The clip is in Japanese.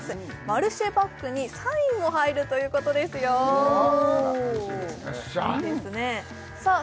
マルシェバッグにサインも入るということですよいいですねさあ